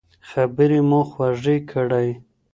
خبرې مو خوږې کړئ.